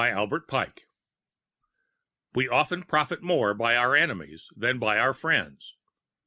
KNIGHT KADOSH. We often profit more by our enemies than by our friends.